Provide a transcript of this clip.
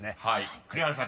［栗原さん